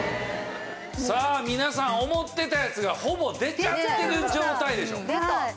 さあ皆さん思ってたやつがほぼ出ちゃってる状態でしょ。